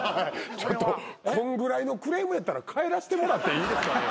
ちょっとこんぐらいのクレームやったら帰らしてもらっていいですかね？